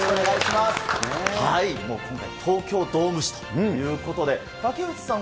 もう今回、東京ドーム史ということで、竹内さん